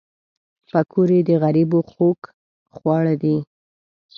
پکورې د غریبو خوږ خواړه دي